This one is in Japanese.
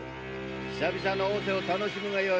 久々の逢瀬を楽しむがよい。